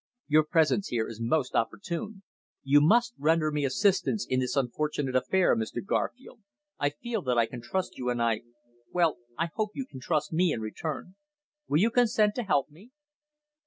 "Your presence here is most opportune. You must render me assistance in this unfortunate affair, Mr. Garfield. I feel that I can trust you, and I well, I hope you can trust me in return. Will you consent to help me?"